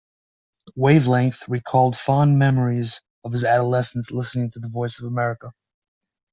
"Wavelength" recalled fond memories of his adolescence, listening to the Voice of America.